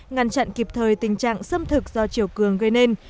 ngăn chặn kịp thời tình trạng xâm thực do chiều cường gây nên